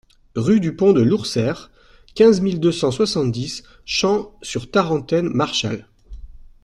Rue du Pont de Lourseyre, quinze mille deux cent soixante-dix Champs-sur-Tarentaine-Marchal